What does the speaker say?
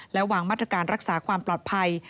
และวางมาตรการรักษาความปลอดภัย